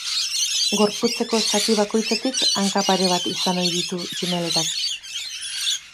Gorputzeko zati bakoitzetik hanka pare bat izan ohi ditu tximeletak.